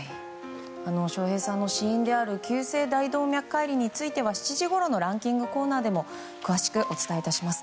笑瓶さんの死因である急性大動脈解離については７時ごろのランキングコーナーでも詳しくお伝えします。